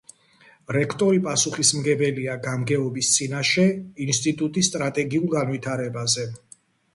რექტორი პასუხისმგებელია გამგეობის წინაშე ინსტიტუტის სტრატეგიულ განვითარებაზე.